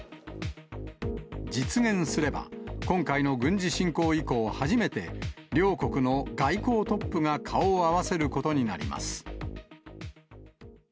実現すれば、今回の軍事侵攻以降、初めて両国の外交トップが顔を合わせることになります。